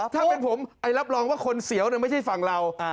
ถ้าเป็นผมรับรองว่าคนเสียวไม่ใช่ฝั่งเรา